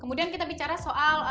kemudian kita bicara soal